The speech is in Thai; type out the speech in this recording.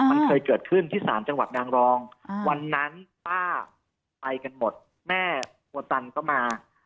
มันเคยเกิดขึ้นที่ศาลจังหวัดนางรองวันนั้นป้าไปกันหมดแม่ครัวตันก็มา